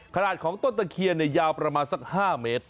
ขนาดของต้นตะเคียนยาวประมาณสัก๕เมตร